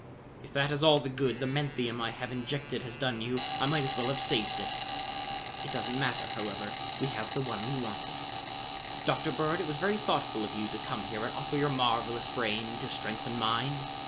"If that is all the good the menthium I have injected has done you, I might as well have saved it. It doesn't matter, however: we have the one we wanted. Dr. Bird, it was very thoughtful of you to come here and offer your marvelous brain to strengthen mine.